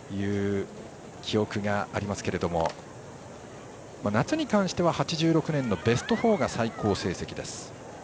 決勝は安樂擁する済美という記憶がありますけど夏に関しては８６年のベスト４が最高成績です。